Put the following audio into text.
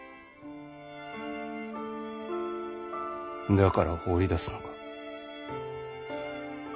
だから放り出すのか？